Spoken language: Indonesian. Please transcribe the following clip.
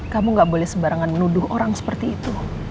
kamu gak boleh sembarangan menuduh orang seperti itu